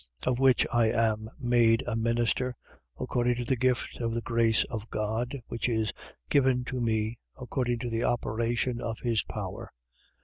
Of which I am made a minister, according to the gift of the grace of God, which is given to me according to the operation of his power.